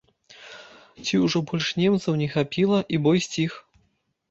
Ці ўжо больш немцаў не хапіла, і бой сціх?